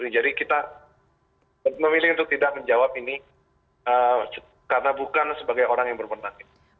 jadi kita memilih untuk tidak menjawab ini karena bukan sebagai orang yang berpengaruh